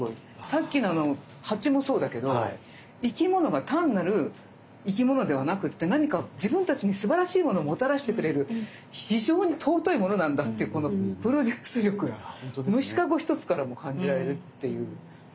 さっきの鉢もそうだけど生き物が単なる生き物ではなくて何か自分たちにすばらしいものをもたらしてくれる非常に尊いものなんだっていうこのプロデュース力が虫かご一つからも感じられるっていう。